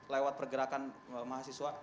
lewat pergerakan mahasiswa